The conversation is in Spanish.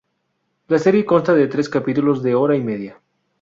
La serie consta de tres capítulos de hora y media.